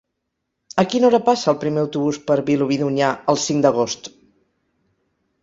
A quina hora passa el primer autobús per Vilobí d'Onyar el cinc d'agost?